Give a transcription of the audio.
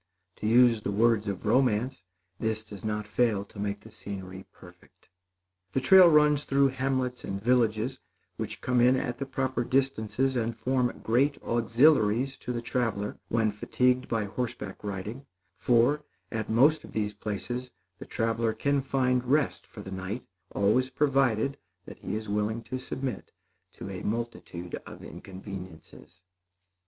To use the words of romance, this does not fail to make the scenery perfect. The trail runs through hamlets and villages, which come in at the proper distances and form great auxiliaries to the traveler, when fatigued by horseback riding; for, at most of these places, the traveler can find rest for the night, always provided that he be willing to submit to a multitude of inconveniences.